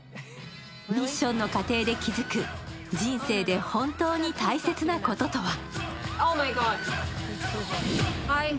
ミッションの過程で気付く人生で本当に大切なこととは。